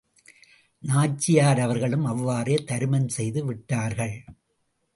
நாச்சியார் அவர்களும் அவ்வாறே தருமம் செய்து விட்டார்கள்.